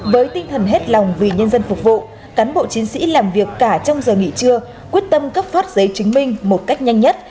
với tinh thần hết lòng vì nhân dân phục vụ cán bộ chiến sĩ làm việc cả trong giờ nghỉ trưa quyết tâm cấp phát giấy chứng minh một cách nhanh nhất